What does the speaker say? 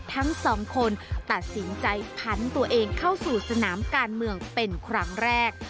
ทั้งสองคนตัดสินใจพันตัวเองเข้าสู่สนามการเมืองเป็นครั้งแรก